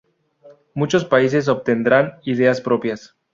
Muchos países obtendrán ideas propias.